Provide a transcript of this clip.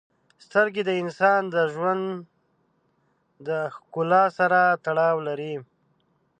• سترګې د انسان د ژوند د ښکلا سره تړاو لري.